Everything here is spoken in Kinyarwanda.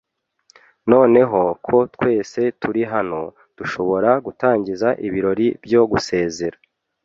Noneho ko twese turi hano, dushobora gutangiza ibirori byo gusezera.